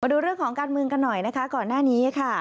ดูเรื่องของการเมืองกันหน่อยนะคะก่อนหน้านี้ค่ะ